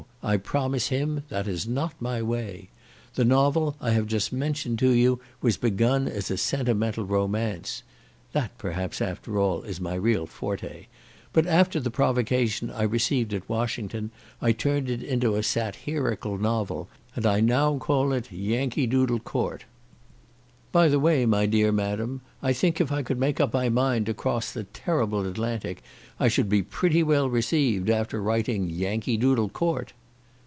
I promise him that is not my way. The novel I have just mentioned to you was began as a sentimental romance (that, perhaps, after all, is my real forte), but after the provocation I received at Washington, I turned it into a sat herical novel, and I now call it Yankee Doodle Court. By the way my dear madam, I think if I could make up my mind to cross that terrible Atlantic, I should be pretty well received, after writing Yankee Doodle Court!"